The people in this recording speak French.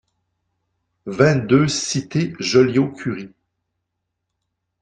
vingt-deux cité Joliot-Curie